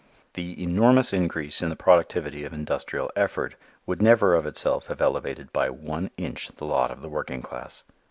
The enormous increase in the productivity of industrial effort would never of itself have elevated by one inch the lot of the working class.